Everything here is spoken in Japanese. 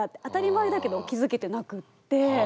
当たり前だけど気付けてなくって。